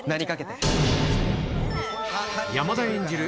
山田演じる